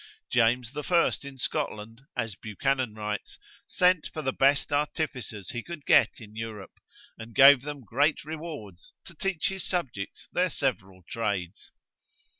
James the first in Scotland (as Buchanan writes) sent for the best artificers he could get in Europe, and gave them great rewards to teach his subjects their several trades.